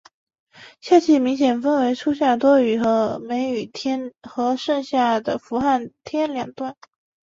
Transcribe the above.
夏季明显分为初夏多雨的梅雨天和盛夏的伏旱天两段。